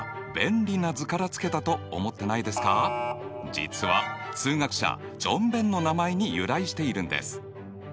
実は数学者ジョン・ベンの名前に由来しているんです。